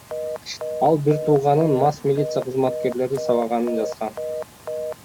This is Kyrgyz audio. Ал бир тууганын мас милиция кызматкерлери сабаганын жазган.